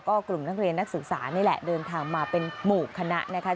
กลุ่มนักเรียนนักศึกษานี่แหละเดินทางมาเป็นหมู่คณะนะคะ